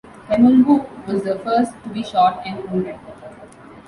Pemulwuy was the first to be shot and wounded.